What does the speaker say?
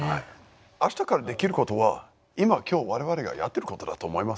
明日からできることは今今日我々がやってることだと思いますよ。